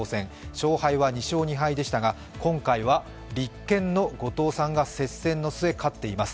勝敗は２勝２敗でしたが今回は立憲の後藤さんが接戦の末、勝っています。